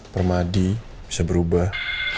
permadi bisa berubah